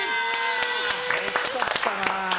惜しかったな。